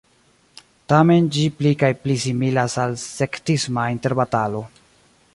Tamen ĝi pli kaj pli similas al sektisma interbatalo.